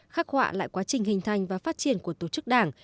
khắc họa lại quá trình hình thành và phát triển của tổ chức đảng